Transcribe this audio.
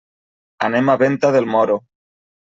Anem a Venta del Moro.